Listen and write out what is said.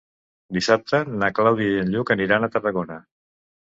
Dissabte na Clàudia i en Lluc aniran a Tarragona.